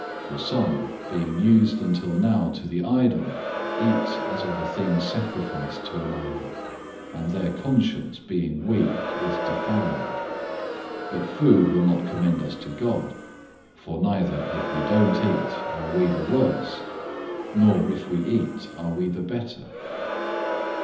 But some, with consciousness of the idol until now, eat as of a thing sacrificed to an idol, and their conscience, being weak, is defiled. 008:008 But food will not commend us to God. For neither, if we don't eat, are we the worse; nor, if we eat, are we the better.